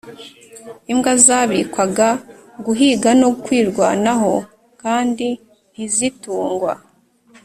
imbwa zabikwaga guhiga no kwirwanaho kandi ntizitungwa.